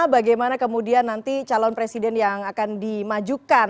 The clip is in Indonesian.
bagaimana kemudian nanti calon presiden yang akan dimajukan